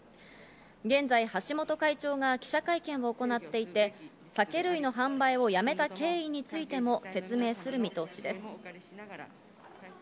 現在、橋本会長が記者会見を行っていて、酒類の販売をやめた経緯についても説明する見通しです。